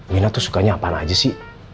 mina tuh sukanya apaan aja sih